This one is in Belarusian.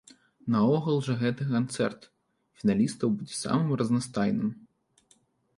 Наогул жа гэты канцэрт фіналістаў будзе самым разнастайным.